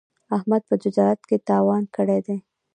احمد په تجارت کې تاوان کړی دی.